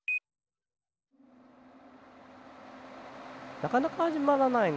なかなかはじまらないな。